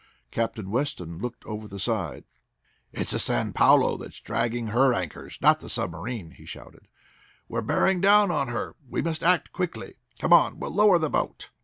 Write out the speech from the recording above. Captain Weston looked over the side. "It's the San Paulo that's dragging her anchors, not the submarine!" he shouted. "We're bearing down on her! We must act quickly. Come on, we'll lower the boat!"